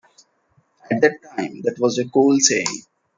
At that time, that was a cool saying.